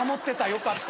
よかった。